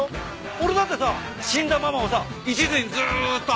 俺だってさ死んだママをさ一途にずーっと愛し続けてるよ。